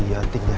ya udah dulu ya